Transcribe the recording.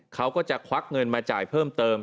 เขาก็จะควักเงินมาจ่ายเพิ่มเติม